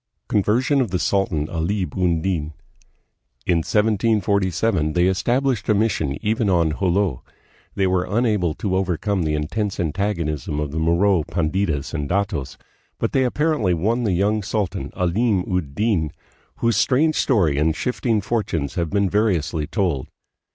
Conversion of the Sultan Alim ud Din. In 1747 they established a mission even on Jolo. They were unable to overcome the intense antagonism of the Moro panditas and datos, but they apparently won the young sultan, Alim ud Din, whose strange story and shifting fortunes have been variously told.